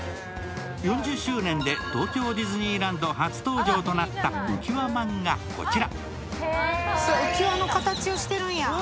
４０周年で東京ディズニーランド初登場となったうきわまんがこちら。